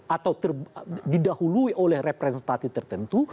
atau didahului oleh representatif tertentu